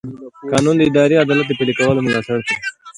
قانون د اداري عدالت د پلي کولو ملاتړ کوي.